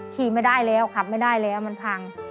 ขี่ไม่ได้แล้วขับไม่ได้แล้วมันพัง